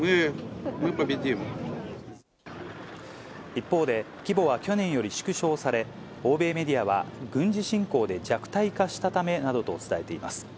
一方で、規模は去年より縮小され、欧米メディアは、軍事侵攻で弱体化したためなどと伝えています。